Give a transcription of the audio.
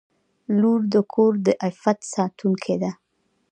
• لور د کور د عفت ساتونکې ده.